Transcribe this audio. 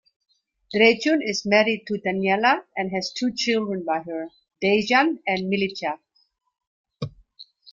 Drecun is married to Danijela and has two children by her, Dejan and Milica.